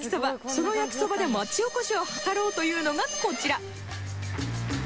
そのやきそばで町おこしを図ろうというのがこちら。